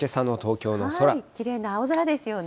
きれいな青空ですよね。